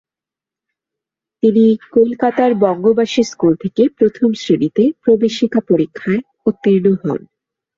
তিনি কলকাতার বঙ্গবাসী স্কুল থেকে প্রথম শ্রেণীতে প্রবেশিকা পরীক্ষায় উত্তীর্ণ হন।